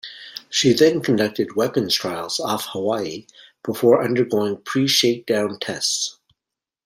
She then conducted weapons trials off Hawaii before undergoing preshake-down tests.